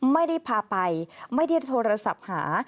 ไม่ได้พาไปไม่ได้โทรศัพท์หา